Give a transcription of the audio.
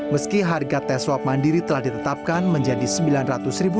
meski harga tes swab mandiri telah ditetapkan menjadi rp sembilan ratus